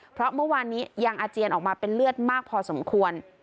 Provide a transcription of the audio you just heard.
เพราะเมื่อวานนี้ยังอาเจียนออกมาเป็นเลือดมากพอสมควร